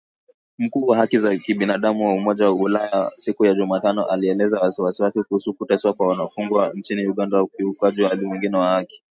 Mkuu wa haki za binadamu wa Umoja wa Ulaya siku ya Jumatano alielezea wasiwasi wake kuhusu kuteswa kwa wafungwa nchini Uganda na ukiukwaji mwingine wa haki